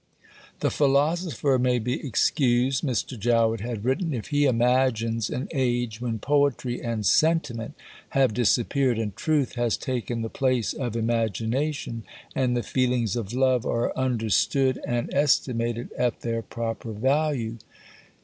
"The philosopher may be excused," Mr. Jowett had written, "if he imagines an age when poetry and sentiment have disappeared, and truth has taken the place of imagination, and the feelings of love are understood and estimated at their proper value."